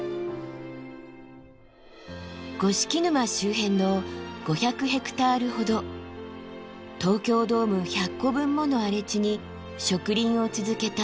五色沼周辺の５００ヘクタールほど東京ドーム１００個分もの荒れ地に植林を続けた遠藤現夢。